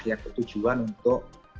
yang bertujuan untuk